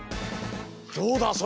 どうだ？